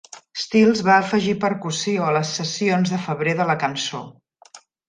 Stills va afegir percussió a les sessions de febrer de la cançó.